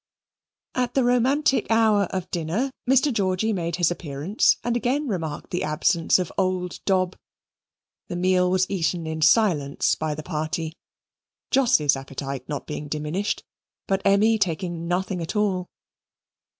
At the romantic hour of dinner, Mr. Georgy made his appearance and again remarked the absence of "Old Dob." The meal was eaten in silence by the party. Jos's appetite not being diminished, but Emmy taking nothing at all.